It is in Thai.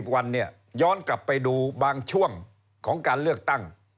วันเนี่ยย้อนกลับไปดูบางช่วงของการเลือกตั้ง